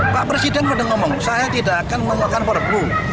pak presiden sudah ngomong saya tidak akan memakan porbu